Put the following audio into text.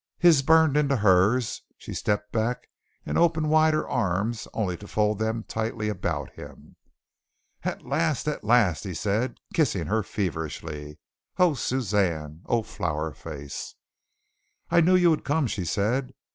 His burned into hers. She stepped back and opened wide her arms only to fold them tightly about him. "At last! At last!" he said, kissing her feverishly. "Oh, Suzanne! Oh, Flower Face!" "I knew you would come," she said.